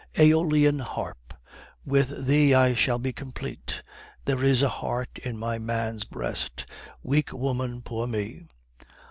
Aeolian harp! with thee I shall be complete! There is a heart in my man's breast! Weak woman, poor me!